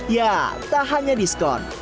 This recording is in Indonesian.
ya tak hanya diskon